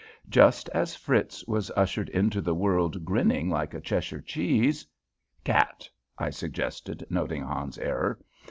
Just as Fritz was ushered into the world, grinning like a Cheshire cheese " "Cat," I suggested, noting Hans's error.